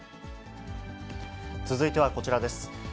続いてはこちらです。